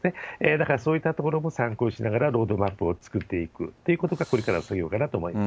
だからそういったところも参考にしながらロードマップを作っていくということがこれからの作業かなと思います。